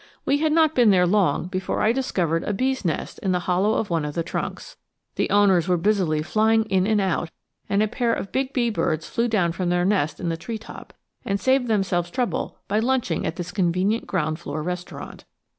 We had not been there long before I discovered a bee's nest in the hollow of one of the trunks. The owners were busily flying in and out, and a pair of big bee birds flew down from their nest in the treetop and saved themselves trouble by lunching at this convenient ground floor restaurant.